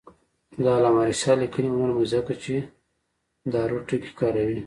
د علامه رشاد لیکنی هنر مهم دی ځکه چې دارو ټکي کاروي.